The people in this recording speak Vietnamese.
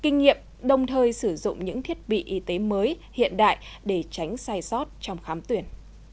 kinh nghiệm đồng thời sử dụng những thiết bị y tế mới hiện đại để tránh sai sót trong khám tuyển